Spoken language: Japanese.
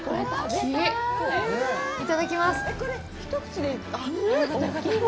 いただきます。